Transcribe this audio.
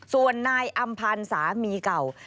ส่วนนายอำพันธ์สามีเก่า